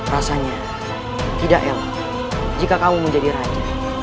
rasanya tidak elok jika kamu menjadi raja